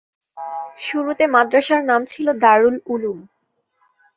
শুরুতে মাদ্রাসার নাম ছিল ‘দারুল উলুম’।